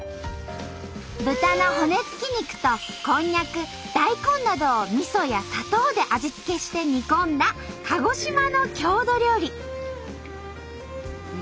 豚の骨付き肉とこんにゃく大根などをみそや砂糖で味付けして煮込んだ鹿児島の郷土料理。